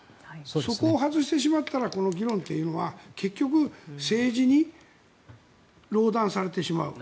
そこを外してしまったらこの議論というのは結局政治に壟断されてしまう。